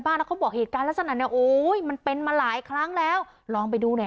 ไม่ต้องไปโน่นเลยเออไม่ต้องเลี้ยวต้องไปโน่นเลย